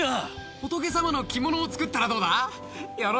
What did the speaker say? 仏様の着物を作ったらどうだ？